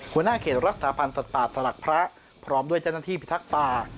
หัวหน้าเขตรักษาพันธ์สัตว์ป่าสลักพระพร้อมด้วยเจ้าหน้าที่พิทักษ์ป่า